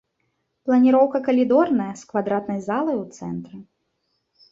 Планіроўка калідорная з квадратнай залай у цэнтры.